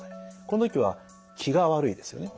この時は気が悪いですよね。